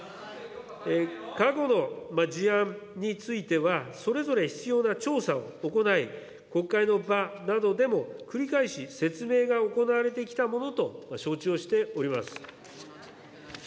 過去の事案については、それぞれ必要な調査を行い、国会の場などでも繰り返し説明が行われてきたものと承知をしております。